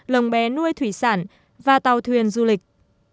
lồng bé nuôi thủy sản và tàu thuyền du lịch